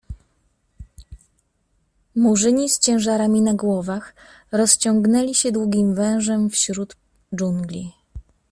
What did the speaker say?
Murzyni z ciężarami na głowach rozciągnęli się długim wężem wśród dżungli.